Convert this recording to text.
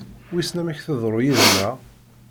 Wissen amek teḍru yid-neɣ?